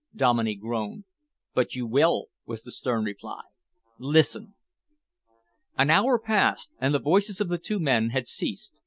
Dominey groaned. "But you will," was the stern reply. "Listen." An hour passed, and the voices of the two men had ceased.